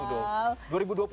jadi malu dong